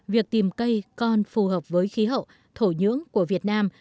việc tìm cây con phù hợp với khí hậu thổ nhưỡng của việt nam